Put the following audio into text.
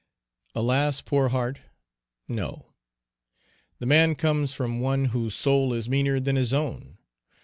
Alas, poor heart, no! the man comes from one whose soul is meaner than his own.